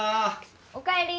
おかえり。